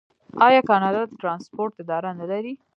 آیا کاناډا د ټرانسپورټ اداره نلري؟